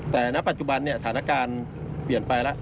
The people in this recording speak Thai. แต่ณปัจจุบันเนี่ยสถานการณ์เปลี่ยนไปแล้ว